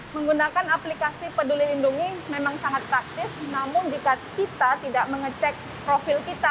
menggunakan aplikasi peduli lindungi memang sangat praktis namun jika kita tidak mengecek profil kita